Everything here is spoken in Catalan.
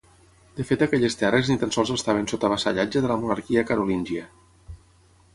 De fet aquelles terres ni tan sols estaven sota vassallatge de la monarquia carolíngia.